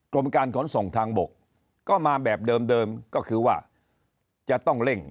กรมการขนส่งทางบกก็มาแบบเดิมก็คือว่าจะต้องเร่ง